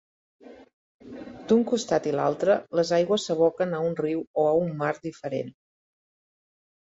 D'un costat i l'altre, les aigües s'aboquen a un riu o a un mar diferent.